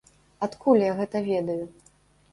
Адкуль я гэта ведаю?